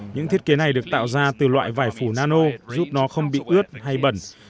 những thiết kế này được tạo ra từ loại vải phủ nano giúp nó không bị ướt hay bẩn